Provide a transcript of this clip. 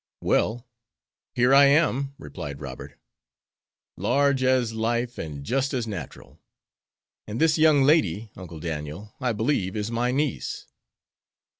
"Well, here I am," replied Robert, "large as life, and just as natural. And this young lady, Uncle Daniel, I believe is my niece."